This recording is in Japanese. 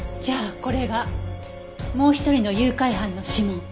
じゃあこれがもう一人の誘拐犯の指紋。